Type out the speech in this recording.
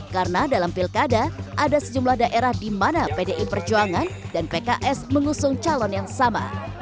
karena dalam pilkada ada sejumlah daerah di mana pdi perjuangan dan pks mengusung calon yang sama